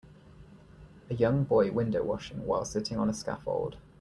A young boy windowwashing while sitting on a scaffold.